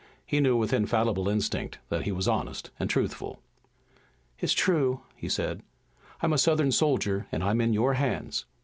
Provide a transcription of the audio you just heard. He knew with infallible instinct that he was honest and truthful. "It's true," he said. "I'm a Southern soldier, and I'm in your hands."